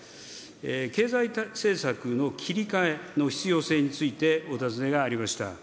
経済政策の切り替えの必要性について、お尋ねがありました。